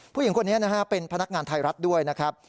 ผู้หญิงคนนี้นะฮะเป็นพนักงานไทยรัฐด้วยนะครับ